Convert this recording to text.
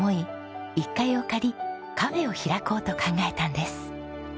１階を借りカフェを開こうと考えたんです。